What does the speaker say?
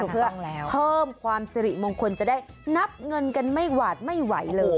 เพื่อเพิ่มความสิริมงคลจะได้นับเงินกันไม่หวาดไม่ไหวเลย